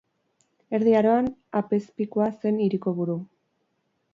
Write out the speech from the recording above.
Erdi Aroan, apezpikua zen hiriko buru.